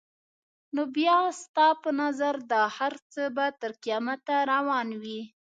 نو بیا ستا په نظر دا هر څه به تر قیامته روان وي؟